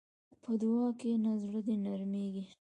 په دعا کښېنه، زړه دې نرمېږي.